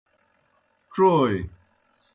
ڇوئے۔